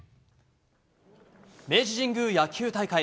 明治神宮野球大会。